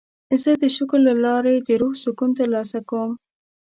زه د شکر له لارې د روح سکون ترلاسه کوم.